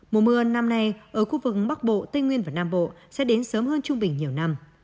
mùa mưa năm nay ở khu vực bắc bộ tây nguyên và nam bộ sẽ đến sớm hơn trung bình nhiều năm